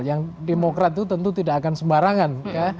yang demokrat itu tentu tidak akan sembarangan